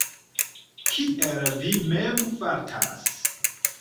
Kiel vi mem fartas?